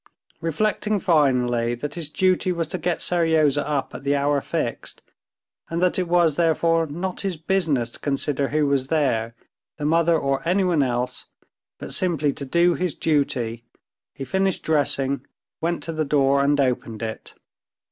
Reflecting finally that his duty was to get Seryozha up at the hour fixed, and that it was therefore not his business to consider who was there, the mother or anyone else, but simply to do his duty, he finished dressing, went to the door and opened it.